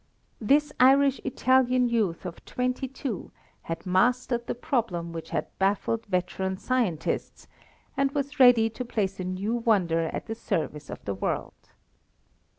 This Irish Italian youth of twenty two had mastered the problem which had baffled veteran scientists and was ready to place a new wonder at the service of the world.